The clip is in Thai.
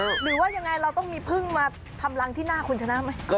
หรือว่ายังไงเราต้องมีพึ่งมาทำรังที่หน้าคุณชนะไหม